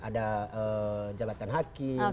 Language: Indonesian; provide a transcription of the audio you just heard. ada jabatan hakim